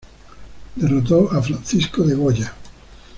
Derrotó a Francisco de Goya.